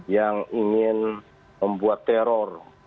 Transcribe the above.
yang ingin membuat teror